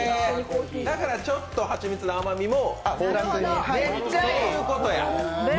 だからちょっと蜂蜜の甘みもそういうことや。